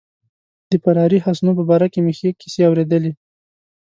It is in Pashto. د فراري حسنو په باره کې مې ښې کیسې اوریدلي.